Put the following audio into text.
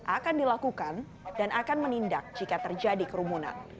akan dilakukan dan akan menindak jika terjadi kerumunan